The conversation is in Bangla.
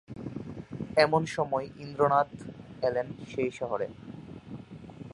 এমন সময় ইন্দ্রনাথ এলেন সেই শহরে।